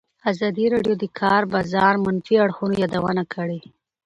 ازادي راډیو د د کار بازار د منفي اړخونو یادونه کړې.